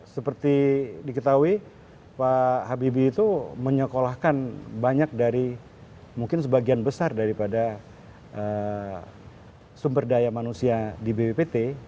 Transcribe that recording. seperti diketahui pak habibie itu menyekolahkan banyak dari mungkin sebagian besar daripada sumber daya manusia di bppt